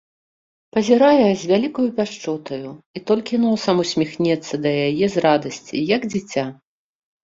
Пазірае з вялікаю пяшчотаю і толькі носам усміхнецца да яе з радасці, як дзіця.